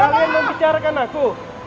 kalian membicarakan aku